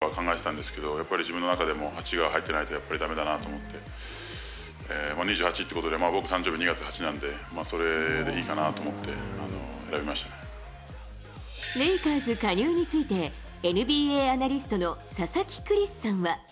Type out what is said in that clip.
いろんなナンバー考えてたんですけど、やっぱり自分の中でも８が入ってないとやっぱりだめだなと思って、もう２８ということで、僕誕生日が２月８日なんで、それでいいかなと思って、選びまレイカーズ加入について、ＮＢＡアナリストの佐々木クリスさんは。